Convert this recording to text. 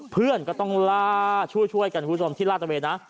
เพื่อนก็ต้องช่วยกันที่ลาดตะเวนนะ